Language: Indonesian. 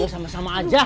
udah sama sama aja